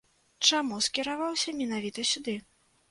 Чаму скіраваўся менавіта сюды?